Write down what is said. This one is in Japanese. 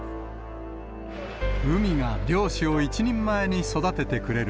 海が漁師を一人前に育ててくれる。